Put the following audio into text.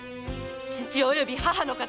父及び義母の敵。